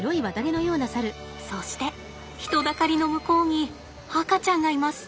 そして人だかりの向こうに赤ちゃんがいます！